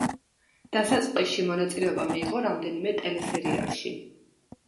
დასაწყისში მონაწილეობა მიიღო რამდენიმე ტელესერიალში.